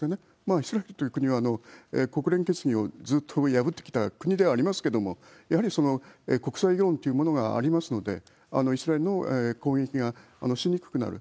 イスラエルという国は国連決議をずっと破ってきた国ではありますけれども、やはり国際世論というものがありますので、イスラエルの攻撃がしにくくなる。